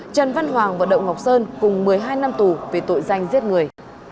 trần văn hoàng và đậu ngọc sơn cùng một mươi hai năm tù về tội danh giết người